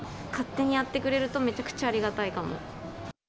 勝手にやってくれると、めちゃくちゃありがたいかも。